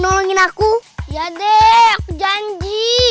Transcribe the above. nolongin aku ya deh